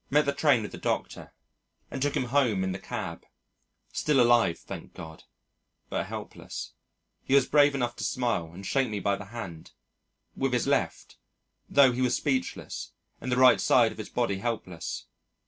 Met the train with the Doctor, and took him home in the cab still alive, thank God, but helpless. He was brave enough to smile and shake me by the hand with his left, though he was speechless and the right side of his body helpless.